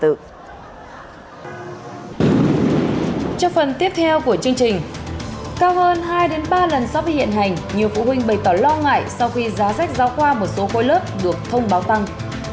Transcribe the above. trong phần tiếp theo của chương trình cao hơn hai ba lần so với hiện hành nhiều phụ huynh bày tỏ lo ngại sau khi giá sách giáo khoa một số khối lớp được thông báo tăng